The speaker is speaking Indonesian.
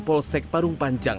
polsek parung panjang